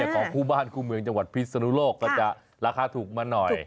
ของคู่บ้านคู่เมืองจังหวัดพิศนุโลกก็จะราคาถูกมาหน่อย